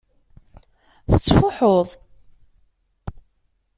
Tettfuḥuḍ.